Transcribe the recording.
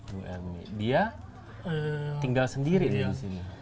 ibu ermi dia tinggal sendiri di sini